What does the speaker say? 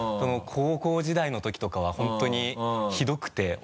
高校時代のときとかは本当にひどくて。